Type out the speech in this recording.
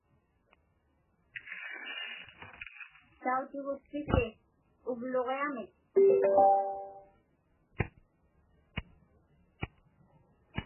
Tautugukpisi uvluġiamik?